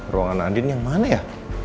ruangan andin yang mana ya